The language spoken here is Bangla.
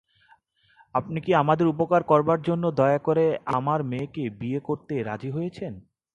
আপনি কি আমাদের উপকার করবার জন্যে দয়া করে আমার মেয়েকে বিয়ে করতে রাজি হয়েছেন?